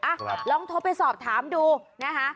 ลองโทรไปสอบถามดูนะคะ